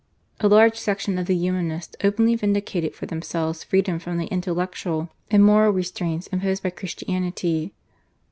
A large section of the Humanists openly vindicated for themselves freedom from the intellectual and moral restraints imposed by Christianity.